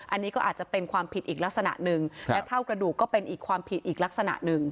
อันนี้ก็อาจจะเป็นความผิดอีกลักษณะหนึ่งและเท่ากระดูกก็เป็นอีกความผิดอีกลักษณะหนึ่ง